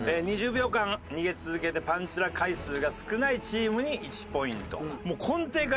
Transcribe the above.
２０秒間逃げ続けてパンチラ回数が少ないチームに１ポイント。